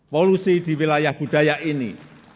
polusi di wilayah budaya ini